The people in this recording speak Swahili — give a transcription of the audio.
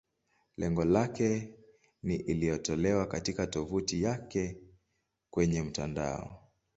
Lengo lake ni iliyotolewa katika tovuti yake kwenye mtandao.